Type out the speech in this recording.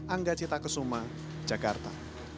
angga cita kesuma jakarta